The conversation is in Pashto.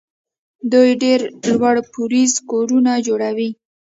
دوی ډېر لوړ پوړیز کورونه جوړوي.